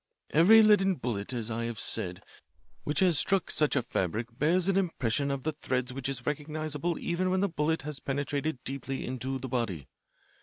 "Every leaden bullet, as I have said, which has struck such a fabric bears an impression of the threads which is recognisable even when the bullet has penetrated deeply into the body.